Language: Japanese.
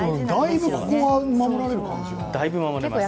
だいぶ首は守られる感じが。